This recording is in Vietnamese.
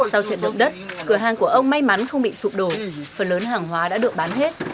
sau trận động đất cửa hàng của ông may mắn không bị sụp đổ phần lớn hàng hóa đã được bán hết